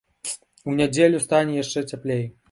У нядзелю стане яшчэ цяплей.